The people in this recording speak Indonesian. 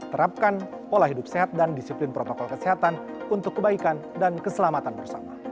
terapkan pola hidup sehat dan disiplin protokol kesehatan untuk kebaikan dan keselamatan bersama